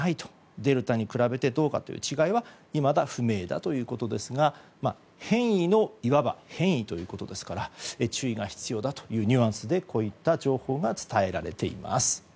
デルタに比べてどうかという違いはいまだ不明だということですが変異の、いわば変異ということですから注意が必要だというニュアンスでこういった情報が伝えられています。